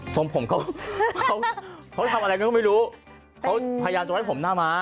ทรงผมเขาทำอะไรก็ไม่รู้เขาพยายามจะให้ผมหน้าม้า